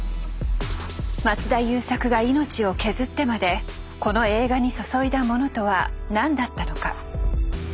松田優作が命を削ってまでこの映画に注いだものとは何だったのか。